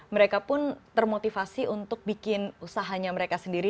mereka pun termotivasi untuk bikin usahanya mereka sendiri